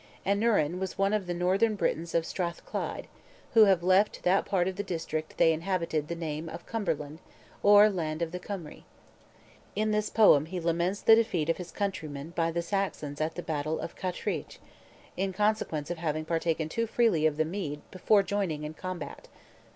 Aneurin was one of the Northern Britons of Strath Clyde, who have left to that part of the district they inhabited the name of Cumberland, or Land of the Cymri. In this poem he laments the defeat of his countrymen by the Saxons at the battle of Cattraeth, in consequence of having partaken too freely of the mead before joining in combat.